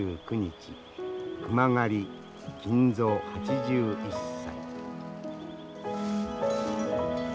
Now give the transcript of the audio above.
熊狩り金蔵８１歳。